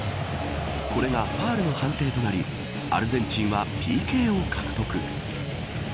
これがファウルの判定となりアルゼンチンはＰＫを獲得。